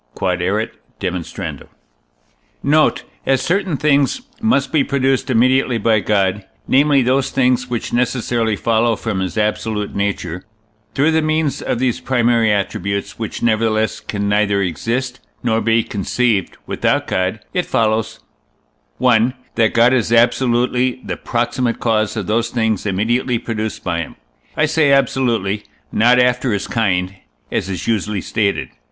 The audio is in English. Q.E.D. Note. As certain things must be produced immediately by God, namely those things which necessarily follow from his absolute nature, through the means of these primary attributes, which, nevertheless, can neither exist nor be conceived without God, it follows: 1. That God is absolutely the proximate cause of those things immediately produced by him. I say absolutely, not after his kind, as is usually stated.